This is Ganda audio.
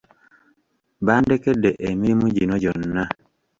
Bandekedde emirimu gino gyonna.